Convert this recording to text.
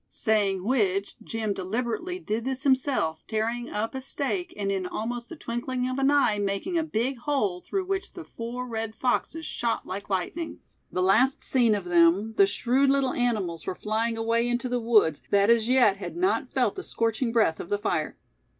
Saying which Jim deliberately did this himself, tearing up a stake, and in almost the twinkling of an eye making a big hole, through which the four red foxes shot like lightning. The last seen of them, the shrewd little animals were flying away into the woods that as yet had not felt the scorching breath of the fire.